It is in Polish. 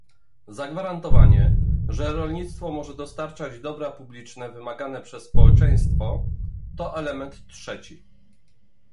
Zagwarantowanie, że rolnictwo może dostarczać dobra publiczne wymagane przez społeczeństwo, to element trzeci